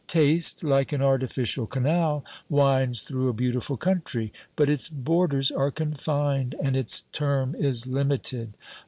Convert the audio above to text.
Taste, like an artificial canal, winds through a beautiful country; but its borders are confined, and its term is limited.